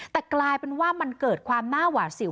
แต่กลายเป็นว่ามันเกิดความหน้าหวาดเสียว